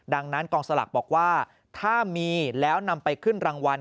ดังนั้นกองสลากบอกว่าถ้ามีแล้วนำไปขึ้นรางวัล